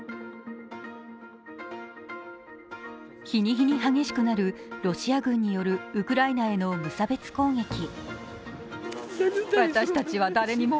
日に日に激しくなるロシア軍によるウクライナへの無差別攻撃。